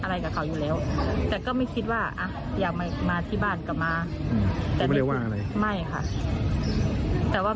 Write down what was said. อะไรกับเขาอยู่แล้วแต่ก็ไม่คิดว่าอยากมาที่บ้านกลับมา